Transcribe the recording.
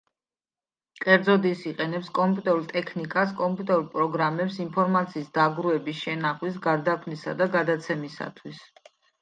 კერძოდ, ის იყენებს კომპიუტერულ ტექნიკას, კომპიუტერულ პროგრამებს ინფორმაციის დაგროვების, შენახვის, გარდაქმნისა და გადაცემისათვის.